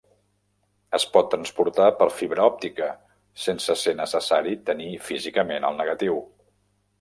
Es pot transportar per fibra òptica, sense ser necessari tenir físicament el negatiu.